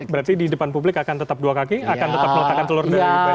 berarti di depan publik akan tetap dua kaki akan tetap meletakkan telur dari pak ya